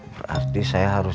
berarti saya harus